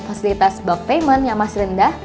fasilitas bulk payment yang mas rendah